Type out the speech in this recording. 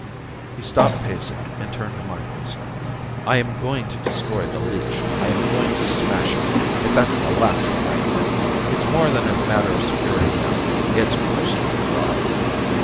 He stopped pacing and turned to Micheals. "I am going to destroy the leech. I am going to smash it, if that's the last thing I do. It's more than a matter of security now. It's personal pride."